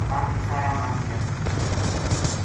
باقی سارا مر گیا